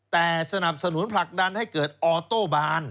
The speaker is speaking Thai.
แต่สนับสนุนผลักดันให้เกิดออโต้บาน